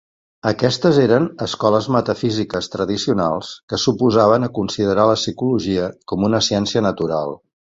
Aquestes eren escoles metafísiques tradicionals, que s'oposaven a considerar la psicologia com una ciència natural.